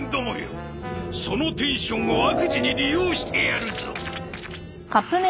そのテンションを悪事に利用してやるぞ！